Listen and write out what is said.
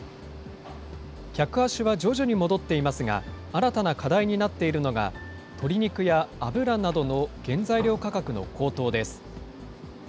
客足は徐々に戻っていますが、新たな課題になっているのが、鶏肉や油などの原材料価格の高騰です。